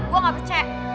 gue gak percaya